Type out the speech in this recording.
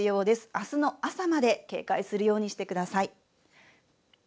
あすの朝まで警戒するようにしてください。